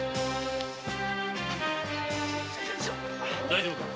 大丈夫か？